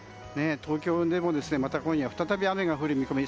東京でもまた今夜、再び雨が降る見込み。